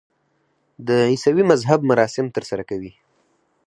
د عیسوي مذهب مراسم ترسره کوي.